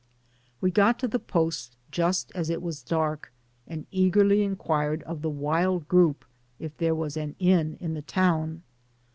We got to the post just as it was dark, and eagerly inquired of the wild group if there was an inn in the town.